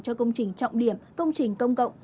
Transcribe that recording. cho công trình trọng điểm công trình công cộng